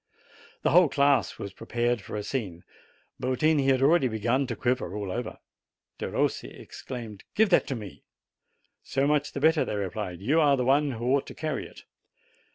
The whole class was prepared for a scene. Yotini had already begun to quiver all over. Perossi ex claimed : '\iive that to me!" "So much the better, thev replied; "vou are ttie w M one \\ ho ought to carrv it."